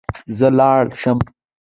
زه لاړ شم